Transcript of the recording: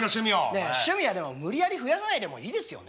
ねえ趣味はでも無理やり増やさないでもいいですよね？